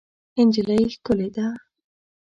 نجلۍ ښکلې ده.